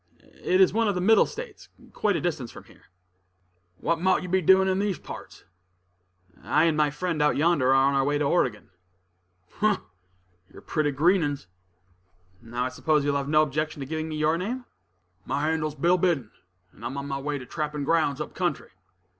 "It is one of the Middle States, quite a distance from here." "What mought you be doin' in these parts?" "I and my friend out yonder are on our way to Oregon." "Umph! you're pretty green 'uns." "Now I suppose you will have no objection to giving me your name." "My handle's Bill Biddon, and I'm on my way to trappin' grounds up country."